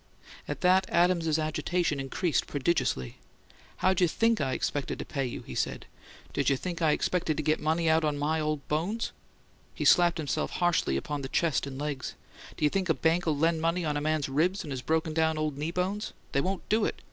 At that, Adams's agitation increased prodigiously. "How'd you THINK I expected to pay you?" he said. "Did you think I expected to get money on my own old bones?" He slapped himself harshly upon the chest and legs. "Do you think a bank'll lend money on a man's ribs and his broken down old knee bones? They won't do it!